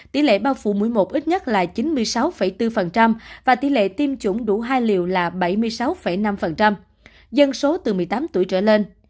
tỉ lệ bao phủ mũi một ít nhất là chín mươi sáu bốn và tỉ lệ tiêm chủng đủ hai liều là bảy mươi sáu năm dân số từ một mươi tám tuổi trở lên